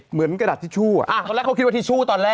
เหมือนกระดาษทิชชู่อ่ะ